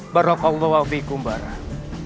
barakallah wa biikum barakallah